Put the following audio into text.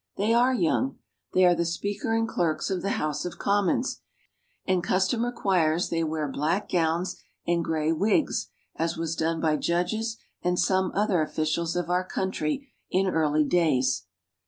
They are young. They are the speaker and clerks of the House of Commons, and custom requires they wear black gowns and gray wigs, as was done by judges and some other officials of our coun try in early days.